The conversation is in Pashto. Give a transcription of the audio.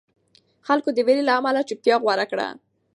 خلکو د وېرې له امله چوپتیا غوره کړه.